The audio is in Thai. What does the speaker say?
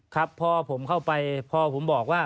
ครับพอผมเข้าไปพอผมบอกว่า